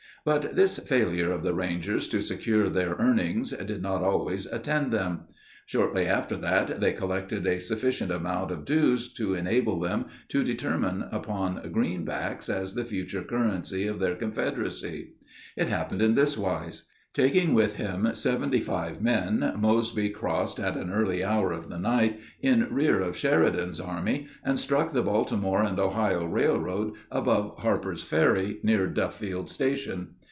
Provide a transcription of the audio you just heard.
But this failure of the Rangers to secure their "earnings" did not always attend them. Shortly after that they collected a sufficient amount of "dues" to enable them to determine upon greenbacks as the future currency of their Confederacy. It happened in this wise. Taking with him seventy five men, Mosby crossed, at an early hour of the night, in rear of Sheridan's army, and struck the Baltimore and Ohio Railroad above Harper's Ferry, near Duffield Station.